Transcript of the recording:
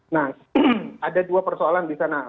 nah ada dua persoalan di sana